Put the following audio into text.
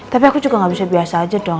tapi aku juga gak bisa biasa aja dong